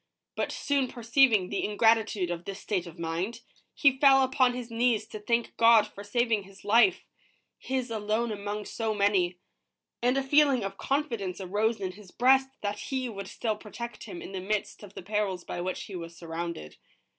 But soon perceiving the ingratitude of this state of mind, he fell upon his knees to thank God for saving his life, — his alone among so many, — and a feeling of confidence arose in his breast that He would still protect him in the midst of the perils by which he was surrounded.